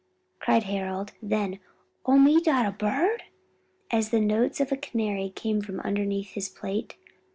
cried Harold; then "Oh me dot a bird!" as the notes of a canary came from underneath his plate.